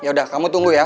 ya udah kamu tunggu ya